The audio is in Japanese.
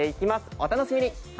お楽しみに。